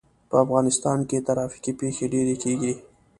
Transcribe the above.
په افغانستان کې ترافیکي پېښې ډېرې کېږي.